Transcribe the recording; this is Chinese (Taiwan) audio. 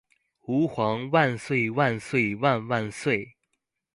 吾皇萬歲萬歲萬萬歲